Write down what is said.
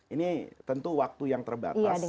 ini tentu waktu yang terbatas